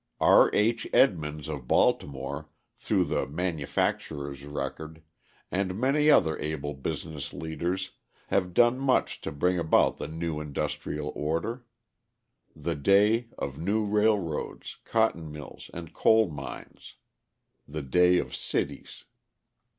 R. H. Edmonds of Baltimore, through the Manufacturers' Record, and many other able business leaders have done much to bring about the new industrial order: the day of new railroads, cotton mills, and coal mines; the day of cities.